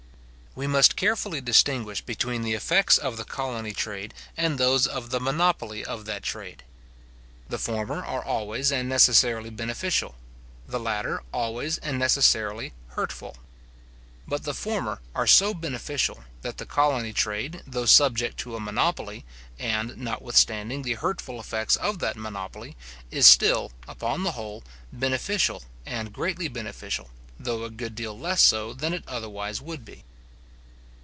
We must carefully distinguish between the effects of the colony trade and those of the monopoly of that trade. The former are always and necessarily beneficial; the latter always and necessarily hurtful. But the former are so beneficial, that the colony trade, though subject to a monopoly, and, notwithstanding the hurtful effects of that monopoly, is still, upon the whole, beneficial, and greatly beneficial, though a good deal less so than it otherwise would be.